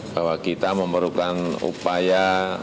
bahwa kita memerlukan upaya